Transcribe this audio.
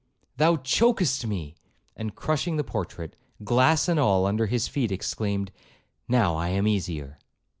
thou choakest me!' and crushing the portrait, glass and all, under his feet, exclaimed, 'Now I am easier.'